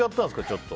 ちょっと。